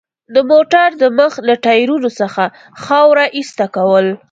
د موټر د مخ له ټایرونو څخه خاوره ایسته کول.